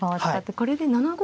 これで７五金が。